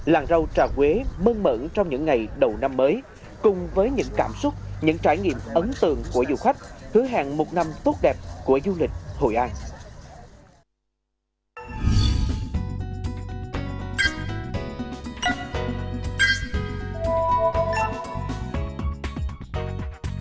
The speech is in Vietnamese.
làng rau trà quế mơn mởn trong những ngày đầu năm mới cùng với những cảm xúc những trải nghiệm ấn tượng của du khách hứa hẹn một năm tốt đẹp của du lịch hội an